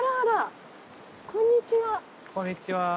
こんにちは。